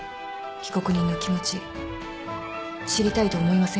被告人の気持ち知りたいと思いませんか？